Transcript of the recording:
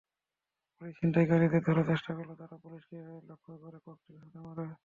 Police ছিনতাইকারীদের ধরার চেষ্টা করলে তারা পুলিশকে লক্ষ করে ককটেল ছুড়ে মারে।